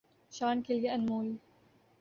شان کے لئے انمول